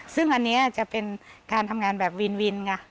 ซึ่งอันนี้จะเป็นการทำงานแบบวินวินไง